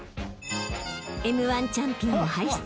［Ｍ−１チャンピオンを輩出］